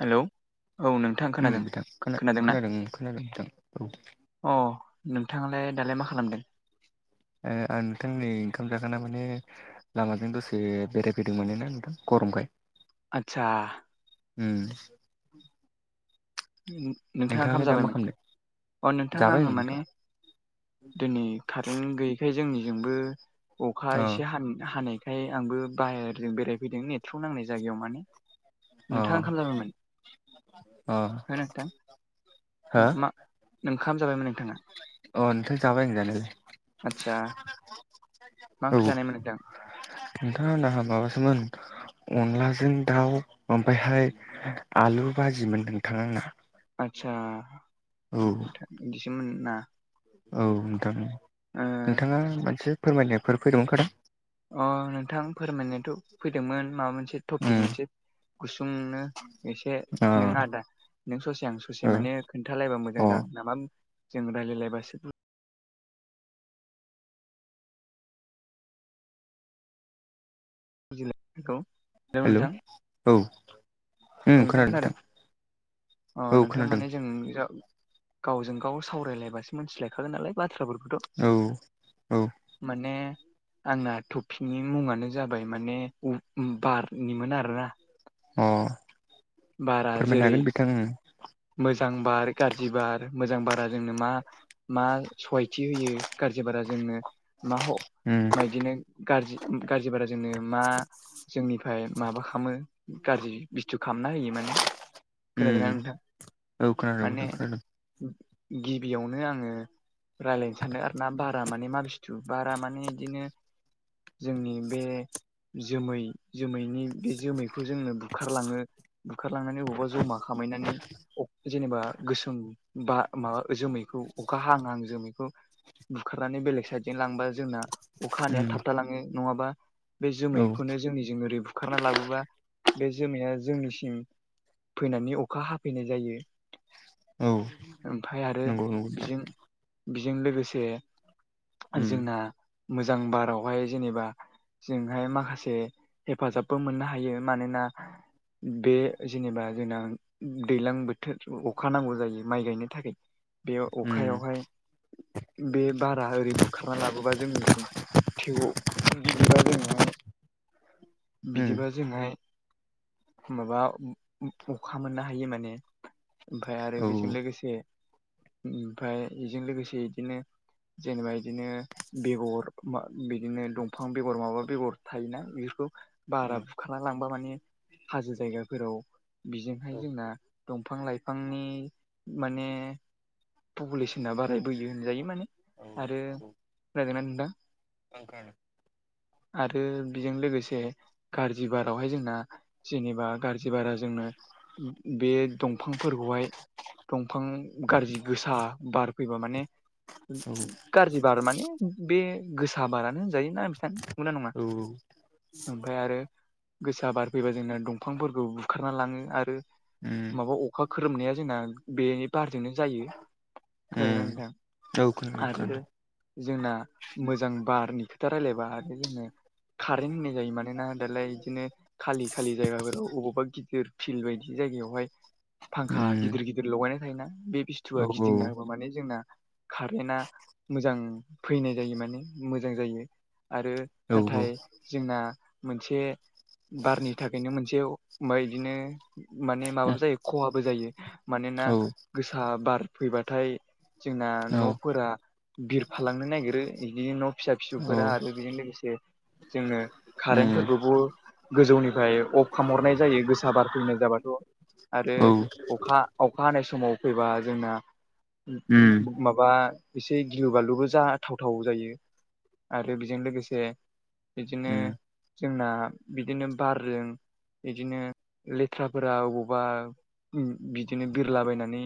Hello औ नोंथां उम खोनादों बिथां खोना खोनादों ना खोनादों नोंथां औ अ नोंथांआलाय दालाय मा खालामदों ओ आं नोंथांनि नै ओंखाम जाखांना माने लामाजों दसे बेरायफैदों मोनोना नोंथां गरमखाय आदसा उम नोंथाङा ओंखाम नोंथाङालाय दा मा जाबायमोन खालामदों अ नोंथां जाबाय आं आङो माने नोंथां दिनै कारेन्ट गैयैखाय जोंनिजोंबो अखा अ एसे हानि हानाय खाय आंबो बाहेरजों बेरायफैदों नेथ्र'क नांनाय जायगायाव माने नोंथाङा ओंखाम जाबायमोन अ [unintelligible] हो नोंथां हो मा- मा ओंखाम जाबायमोन नोंथां अ नोंथां जाबाय जानाय आतसा मा औ ओंख्रि जानायमोन नोंथां नोंथां आंना माबासोमोन [unintelligible] अनलाजों दाउ ओमफ्रायहाय आलु भाजिमोन नोंथां आंना आतसा औ बिदिसोम नोंना औ नोंथां ओ नोंथाङा मोनसे फोरमायनायफोर फैदोंमोन खदा [unintelligible] अ नोंथां फोरमायनोथ' फैदोंमोन माबा मोनसे टपिक उम मोनसे गुसुंनो एसे अ नों आदा नों ससे आं ससे माने ओ खोन्थालायबा मोजां अ जागोन नामा जों रायलायलायबासो खौ [inaudible] हेल' औ औ उम नोंथां खोनादों बिथां अ औ नोंथां खोनादों माने जों गावजों गाव सावरायलायबासो मिथिलायखागोन नालाय बाथ्राफोरखौ औ औ माने आंना तपिगनि मुङानो जाबाय माने उ बारनिमोन आरो ना अ बारा जेरै मोजां बार गाज्रि बार मोजां बारा जोंनो मा मा सहायथि होयो गारजि बारा जोंनो मा उम बिदिनो गाज्रि गाज्रि बारा जोंनो मा जोंनिफ्राय माबा खालामो गाज्रि बस्थु खालामना होयो माने उम खोनादों ना नोंथां औ खोनादों माने बिथां खोनादों गिबियावनो आङो रायलायनो सानदों आरो ना बारा माने मानसि बारा माने बिदिनो जोंनि बे जोमै जोमैनि बे जोमैखौ जोङो बुखारलाङो बुखारलांनानै बबावबा जमा खामहैनानै जेनेबा गोसोम बा माबा जोमैखौ अखा हाहां हाहां जोमैखौ बुखारनानै बेलेग साइदजों लांबा जोंना अखा हानाया उम थाबथा लाङो नङाबा बे औ जोमैखौनो जोंनिजों ओरै बुखारना लाबोबा बे जोमैया जोंनि सिम फैनानै अखा हाफैनाय जायो औ ओमफ्राय आरो नंगौ नंगौ बिजों बेजों लोगोसे उम जोंना मोजां बारावहाय जेनेबा जोंहाय माखासे हेफाजाबबो मोननो हायो मानोना बे जेनेबा जोंना दैज्लां बोथोर अखा नांगौ जायो माइ गायनो थाखाय बे उम अखायावहाय बे बारा ओरै बुखारना लाबोबा जोंनिसिम थेव बिदिबा जोंहाय उम बिदिबा जोंहाय माबा अखा मोननो हायो माने ओमफ्राय आरो औ बेजों लोगोसे ओमफ्राय बेजों लोगोसे बिदिनो जेनेबा बिदिनो बेगर बिदिनो दंफां बेगर माबा बेगर थायोना बेफोरखौ बारा उम बुखारना लांबा माने हाजो जायगाफोराव औ बिजोंहाय जोंना दंफां लाइफांनि माने पपुलेसना बारायबोयो होनजायो माने औ आरो खोनादों ना नोंथां? ओं खोनादों। आरो बेजों लोगोसे गारजि बारावहाय जोंना जेनेबा गाज्रि बारा जोंनो बे दंफांफोरखौहाय दंफां गाज्रि गोसा बार फैबा माने औ गाज्रि बार माने खा बे गोसा बारानो होनजायो‌ ना बिथां नंगौना नङा। औ ओमफ्राय आरो गोसा बार फैबा जोंना दंफांफोरखौ बुखारना लाङो आरो। उम माबा अखा खोरोमनाया जोंना बे बारजोंनो जायो। खोनादों ना उम नोंथां औ खोनादों आरो ओ खोनादों जोंना मोजां बारनि खोथा रायलायबा आरो जोंनो कारेन्ट होननाय जायो मानोना दालाय बिदि खालि खालि जायगाफोराव अबावबा गिदिर फिल्ड बायदि जायगायावहा फांखा उम गिदिर गिदिर लगायनाय थायोना बे फिथुवआ औ औ गिदिंना होनबा माने जोंना कारेन्टआ मोजां फैनाय जायो माने। मोजां जायो आरो औ नाथाय जोंना मोनसे बारनि थाखायनो मोनसे मा बिदिनो माने माबाबो औ जायो खहाबो जायो। मानोना गोसा बार फैबाथाय जोंना औ उम औ उम न'फोरा ओ बिरफालांनो नागिरो बिदि न' फिसा फिसौफोरा आरो बेजों लोगोसे जोंनो कारेन्टफोरखौबो। गोजौनिफ्राय अफ खामहरनाय जायो गोसा बार फैनाय जाबाथ'। आरो अखा अखा हानाय समाव फैबा जोंना उम माबा एसे गिलु बालुबो जाथावथाव जायो। आरो बेजों लोगोसे बिदिनो उम जोंनाबो बिदिनो बारजों बिदिनो लेथ्राफोरा अबावबा ओ बिदिनो बिरलाबायनानै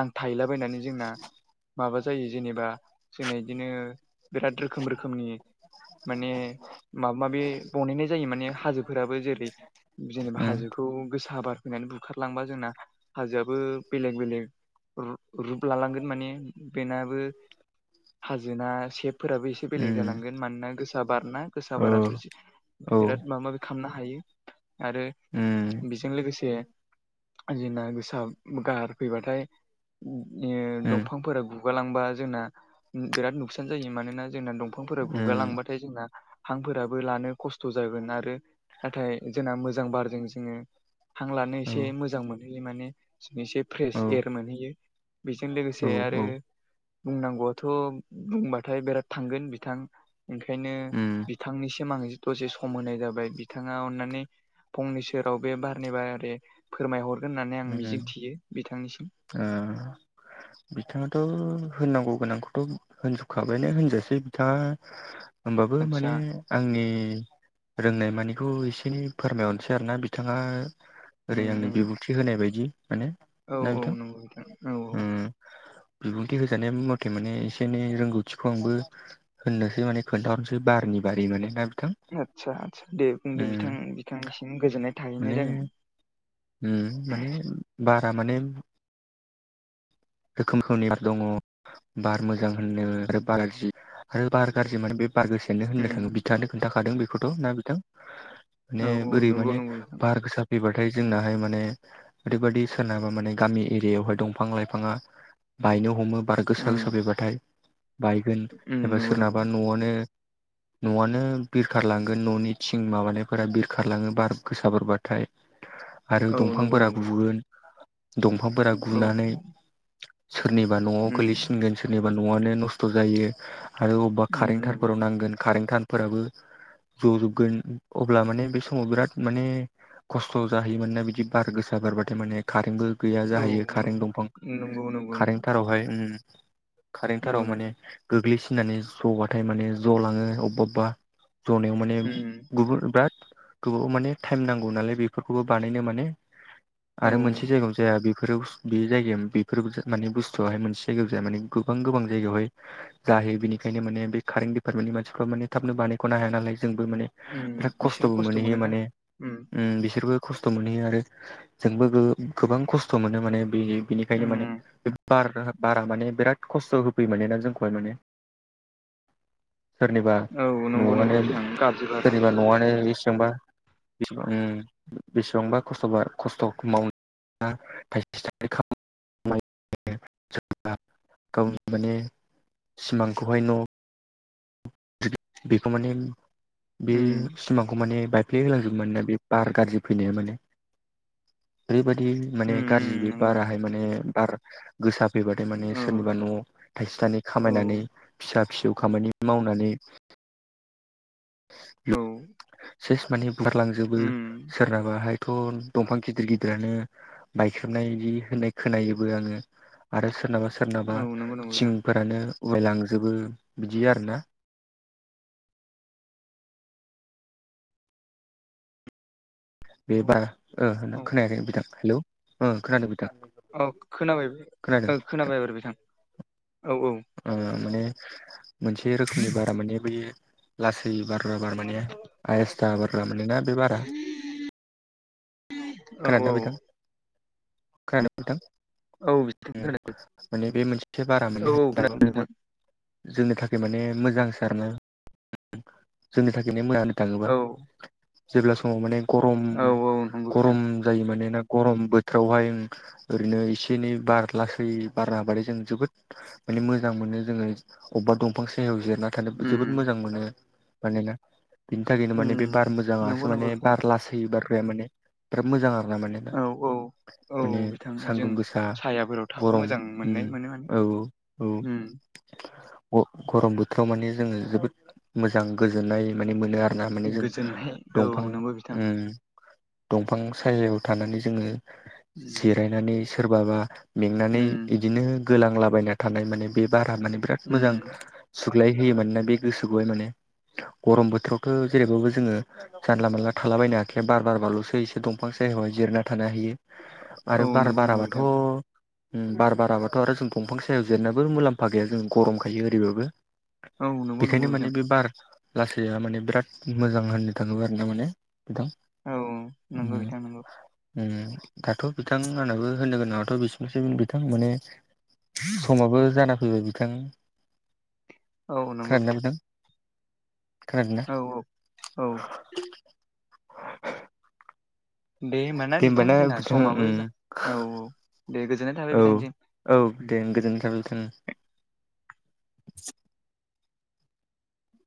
नांथाहैलाबायनानै जोंना माबा जायो जेनेबा जोंना बिदिनो बिराद रोखोम रोखोमनि माने माबा-माबि बनायनाय जायो माने हाजोफोराबो जेरै जेनेबा औ हाजोखौ गोसा बार फैनानै बुखारलांबा जोंना हाजोआबो बेलेग बेलेग रुप लालांगोन माने बेनाबो। हाजोना सेबफोराबो औ एसे बेलेग जालांगोन मानोना गोसा बार ना उम औ गोसा बाराथ' एबा बिराद माबा-माबि खालामनो हायो आरो बेजों लोगोसे जोंना गोसा गारफैबाथाय औ दंफांफोरा गु गुगालांबा जोंना बिराद नुखसान जायो मानोना जोंना दंफांफोरा गुगालांबाथाय जोंना हांफोराबो लानो खस्थ' जागोन आरो नाथाय जोंना मोजां बारजों जोङो। हां लानो एसे मोजां मोनहैयो माने एसे। फ्रेश एयार मोनहैयो बेजों लोगोसे आरो। औ बुंनांगौआथ' बुंबाथाय बिराद थांगोन बिथां ओंखायनो उम बिथांनिसिम आं। दसे सम होनाय जाबाय बिथाङा अन्नानै फंनै सेराव बे बारनि बारि फोरमायहरगोन होननानै आं उम मिजिंथियो बिथांनिसिम। बिथाङाथ' होननांगौ गोनांखौ। होनजोबखाबायानो होनजासै बिथाङा होनोमबाबो आदसा माने आंनि रोंनाय मानिखौ एसे एनै फोरमायहरनोसै आरोना बिथाङा उम ओरै आंनो उम बिबुंथि होनाय बादि माने औ ना औ नंगौ औ औ बिथां। बिबुंथि होजानाय मथे माने एसे एनै रोंगौथिखौ आंबो होननोसै माने खोन्थाहरनोसै बारनि बारि माने ना बिथां। आदसा आदसा दे बुंदो उम बिथां बिथांनिसिम गोजोननाय थाहैनाय माने जागोन। माने बारा माने। रोखोम रोखोमनि बार दङ बार मोजां होनो आरो बार गारजि आरो बार गारजि माने बे बार गोसा नो होननो उम थाङो बिथाङानो खोन्था खांदों बेखौथ' ना बिथां औ माने औ बोरै नंगौ माने नंगौ बिथां बार गोसा फैबाथाय जोंनाहाय माने ओरैबादि सोरनाबा माने गामि एरियायावहाय दंफां लाइफाङा बायनो हमो बार गोसा उम गोसा फैबाथाय बाय गोन उम एबा नंगौ नंगौ सोरनाबा न'वावनो न'वानो बिरखारलांगोन न'नि थिं माबानायफोरा बिरखारलाङो बार गोसा बोरबाथाय आरो औ नंगौ दंफांफोरा नंगौ गुगोन दंफांफोरा औ गुनानै सोरनिबा न'वाव उम गोलैसिनगोन सोरनिबा न'वानो नस्थ' जायो आरो अबबा उम कारेन थारफोराव नांगोन कारेन थारफोराबो जजोबगोन अब्ला माने बे समाव बिराद माने खस्थ' जाहैयो मानोना बिदि बार गोसा बारबाथाय माने कारेन्टबो गैया जाहैयो कारेन्ट दंफां नोंगौ नों कारेन्ट थारावहाय कारेन्ट थाराव नंगौ नंगौ माने गोग्लैसिननानै जबाथाय माने ज'लाङो अबबा अबबा जनायाव माने उम गुबुर ब्राद गोबाव माने टाइम नांगौ नालाय बेफोरखौबो बानायनो माने औ आरो मोनसे जायगायावनो जाया बे बेफोराव बे जायगायाव बेफोर माने बुस्थुवाहाय मोनसे जायगायाव जाया माने गोबां गोबां जायगायावहाय जाहायो बेनिखायनो माने बे कारेन्ट दिपार्टमेन्टनि मानसिफ्रा माने थाबनो बानायख'नो हाया नालाय जोंबो माने उम बिराद बिसोरो खस्थ'बो खस्थ' मोनहैयो मोनोना माने उम बिसोरबो खस्थ' मोनहैयो आरो जोंबो गोबां खस्थ' मोनो माने बिनि बिनिखायनो माने उम बार बारा माने बिराद खस्थ' होफैयो मानोना जोंखौहाय माने सोरनिबा औ नंगौ नंगौ न'वानो बिथां गाज्रि बारा सोरनिबा न'वानो बेसेबांबा बेसेबां बेसेबांबा खस्थ' खस्थ' मावनो थाइसे थाइनै खा मायो सोरबा गावनि माने सिमांखौहाय न बेखौ माने बे उम सिमांखौ माने बायफ्ले होलांजोबो मानोना बे बार गाज्रि फैनाया माने ओरैबायदि माने उम गाज्रि उम बे नंगौ बाराहाय माने बार गोसा फैबाथाय माने औ सोरनिबा न थाइसे थाइनै औ खामायनानै फिसा फिसौ खामानि माव नानै औ [unintelligible] सेस माने बुखारलांजोबो उम सोरनाबाहायथ' दंफां गिदिर गिदिरानो बायख्रेबनाय इदि होननाय खोनायोबो आङो आरो सोरनाबा सोर सोरनाबा औ नंगौ नंगौ बिथां थिंफोरानो उरायलांजोबो बिदि आरो ना बे बार ओ होना औ खोनायाखै बिथां हेलौ ओ खोनादों बिथां अ खोनाबाय खोनादों ओ बिथां खोनाबाय एबार बिथां औ औ माने मोनसे रोखोमनि बारा माने बै लासै बारग्रा बार माने आयेस्था बारग्रा माने ना बे बारा औ खोनादोंना बिथां खोनादों ना औ बिथां नोंथां माने बे मोनसे बारा औ माने औ खोनादों नोंथां [unintelligible] जोंनि थाखाय माने मोजां सार नो जोंनि थाखायनो [unintelligible] थाङोबा औ जेब्ला समाव माने गरम औ औ नंगौ बिथां गरम जायो माने ना गरम बोथोरावहाय ओरैनो एसे एनै बार लासै बारना हाबथाय जों जोबोद माने मोजां मोनो जोङो अबबा दंफां सायहायाव जिरायना थानो जोबोद उम मोजां मोनो मानोना बिनि थाखायनो उम माने बे बार नंगौ मोजाङासो माने नंगौ बिथां बार लासै बारग्राया माने बिराद मोजां आरो ना माने औ औ औ माने बिथां जों सान्दुं गोसा सायाफोराव थाबा गरम मोजां उम मोननाय मोनो औ औ माने गरम बोथोराव माने जोङो जोबोद मोजां गोजोननाय माने मोनो आरो दा माने जों गोजोननाय औ दंफां नंगौ बिथां दंफां सायायाव थानानै जोङो उम जिरायनानै सोरबाबा मेंनानै इदिनो गोलांलाबायना थानाय माने बे बारा माने बिराद मोजां उम सुग्लाय होयो मानोना बे गोसोखौहाय माने गरम बोथोरावथ' जेरैबाबो जोङो जानला मानला थालाबायनो हाखाया बार बारबाल'सो दंफां सायावाय जिरायना थानो हायो औ आरो बार नंगौ नंगौ बाराबाथ' बिथां बार बाराबाथ' आरो जों दंफां सायाव जिरायनाबो मुलाम्फा गैया जों गरम खायो ओरैबाबो औ नंगौ बेखायनो नंगौ माने बिथां बे बार लासैया माने बिराद मोजां होननो थाङो आरो ना माने बिथां औ नंगौ [unintelligible] बिथां नंगौ दाथ' बिथां आंनाबो होननो गोनाङाथ' बिसिनोसै बिथां माने समाबो जाना फैबाय बिथां औ नंगौ खोनादोंना बिथां खोनादोंना औ औ औ दे होमबाना बिथां जोंना समाबो जा औ औ दे गोजोननाय औ थाबाय बिथांसिम औ दे गोजोन्नाय थाबाय बिथां